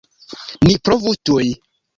Ni provu tuj!